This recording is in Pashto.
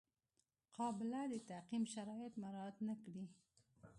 قابله د تعقیم شرایط مراعات نه کړي.